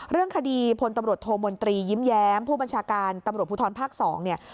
เรื่องคดีพลตำรวจโทมนตรียิ้มแย้มผู้บัญชาการตำรวจภูทรภาค๒เนี่ย